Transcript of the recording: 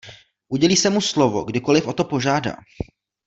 Udělí se mu slovo, kdykoliv o to požádá.